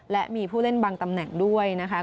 และมีผู้เล่นบางตำแหน่งด้วยนะคะ